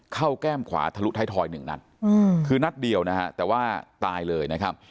แก้มขวาทะลุท้ายทอยหนึ่งนัดคือนัดเดียวนะฮะแต่ว่าตายเลยนะครับ